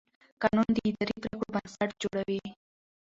قانون د اداري پرېکړو بنسټ جوړوي.